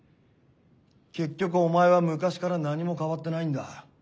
結局お前は昔から何も変わってないんだ。